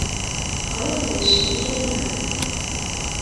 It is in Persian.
آیا پزشکی علم است؟